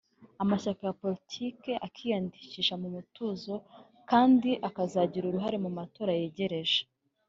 amashyaka ya politiki akiyandikisha mu mutuzo kandi akazagira uruhare mu matora yegereje